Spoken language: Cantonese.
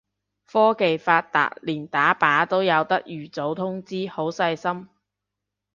科技發達連打靶都有得預早通知，好細心